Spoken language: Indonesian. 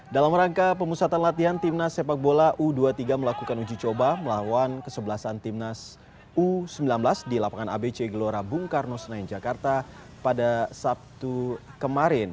dalam rangka pemusatan latihan timnas sepak bola u dua puluh tiga melakukan uji coba melawan kesebelasan timnas u sembilan belas di lapangan abc gelora bung karno senayan jakarta pada sabtu kemarin